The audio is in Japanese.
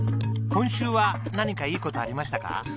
今週は何かいい事ありましたか？